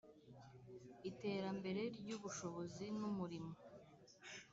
iterambere ry’ubushobozi n’umurimo